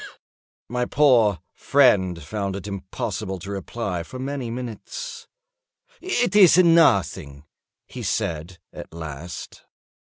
My poor friend found it impossible to reply for many minutes. "It is nothing," he said, at last.